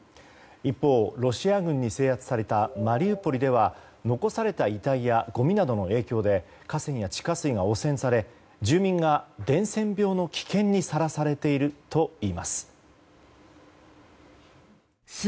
一方、ロシア軍に制圧されたマリウポリでは残された遺体やごみなどの影響で河川や地下水が汚染され住民が伝染病の危険にさらされているといいます。